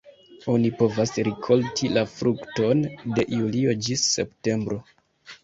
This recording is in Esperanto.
Oni povas rikolti la frukton de julio ĝis septembro.